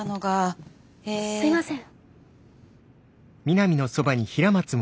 すいません。